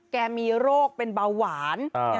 แกมีโรคเป็นเบาหวาน